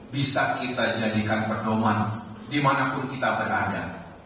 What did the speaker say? bisa kita jadikan perdoman dimanapun kita berada